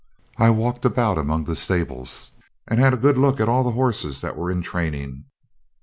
I walked about among the stables and had a good look at all the horses that were in training.